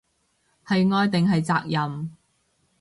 係愛定係責任